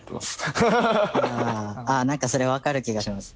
何かそれ分かる気がします。